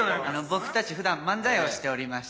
僕たち普段漫才をしておりまして。